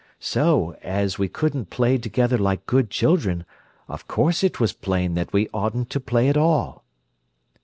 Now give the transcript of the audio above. So, as we couldn't play together like good children, of course it was plain that we oughtn't to play at all."